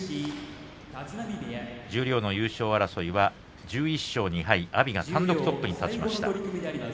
十両の優勝争いは１１勝２敗の阿炎が単独トップに立ちました。